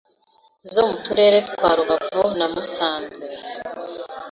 zo mu Turere twa Rubavu na Musanze,